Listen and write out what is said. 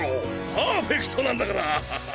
パーフェクトなんだから！